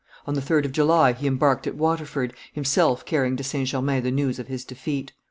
On the 3d of July he embarked at Waterford, himself carrying to St. Germain the news of his defeat.